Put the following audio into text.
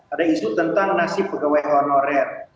ada isu tentang nasib pegawai honorer